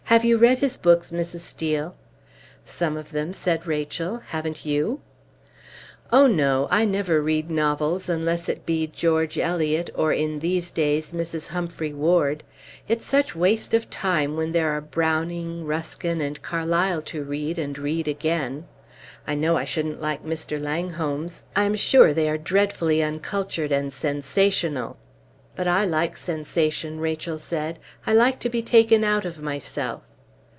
"Have you read his books, Mrs. Steel?" "Some of them," said Rachel; "haven't you?" "Oh, no, I never read novels, unless it be George Eliot, or in these days Mrs. Humphrey Ward. It's such waste of time when there are Browning, Ruskin, and Carlyle to read and read again. I know I shouldn't like Mr. Langholm's; I am sure they are dreadfully uncultured and sensational." "But I like sensation," Rachel said. "I like to be taken out of myself."